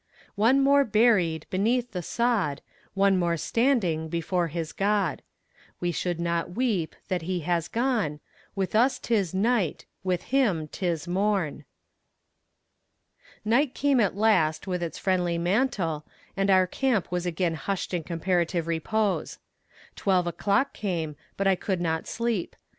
One more buried Beneath the sod, One more standing Before his God. We should not weep That he has gone; With us 'tis night, With him 'tis morn. Night came at last with its friendly mantle, and our camp was again hushed in comparative repose. Twelve o'clock came, but I could not sleep.